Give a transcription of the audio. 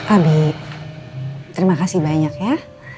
abi terima kasih banyak ya